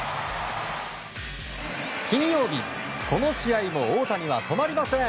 金曜日この試合も大谷は止まりません。